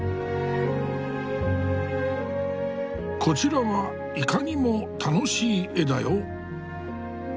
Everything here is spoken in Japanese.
こちらはいかにも楽しい絵だよ。